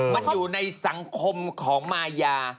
มันอยู่ในสังคมของมายา